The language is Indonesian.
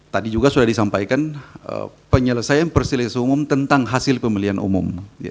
tadi juga sudah disampaikan penyelesaian perselisih umum tentang hasil pemilihan umum